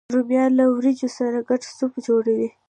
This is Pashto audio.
رومیان له ورېجو سره ګډ سوپ جوړوي